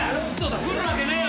来るわけねえよ。